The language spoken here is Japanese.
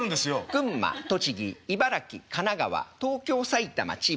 群馬栃木茨城神奈川東京埼玉千葉。